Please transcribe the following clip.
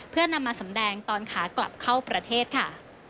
เพื่อนำมาสำแดงตอนขากลับเข้าประเทศค่ะ